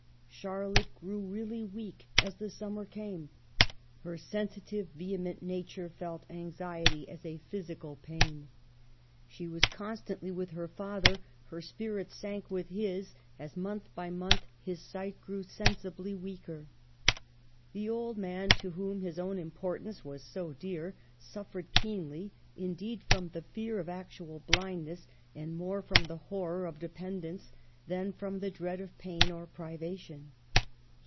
Charlotte grew really weak as the summer came. Her sensitive, vehement nature felt anx iety as a physical pain. She was constantly with i 5 6 EMILY BRONTE. her father ; her spirit sank with his, as month by month his sight grew sensibly weaker. The old man, to whom his own importance was so dear, suffered keenly, indeed, from the fear of actual blindness, and more from the horror of depen dence than from the dread of pain or privation.